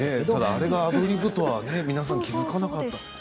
あれはアドリブとは皆さん気付かなかった。